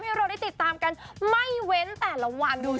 ให้เราได้ติดตามกันไม่เว้นแต่ละวัน